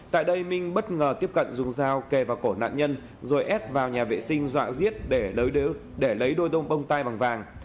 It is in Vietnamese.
tại đây minh bất ngờ tiếp cận dùng dao kề vào cổ nạn nhân rồi ép vào nhà vệ sinh dọa giết để lấy đôi tông bông tay bằng vàng